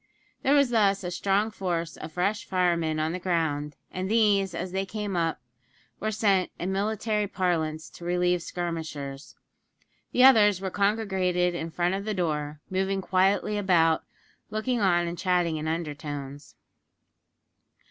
There was thus a strong force of fresh firemen on the ground, and these, as they came up, were sent in military parlance to relieve skirmishers. The others were congregated in front of the door, moving quietly about, looking on and chatting in undertones.